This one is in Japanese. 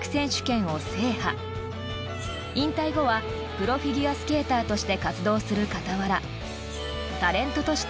［引退後はプロフィギュアスケーターとして活動する傍ら］